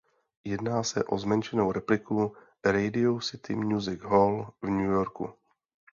Jedná se o zmenšenou repliku Radio City Music Hall v New Yorku.